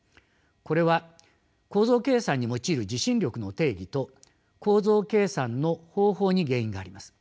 これは構造計算に用いる地震力の定義と構造計算の方法に原因があります。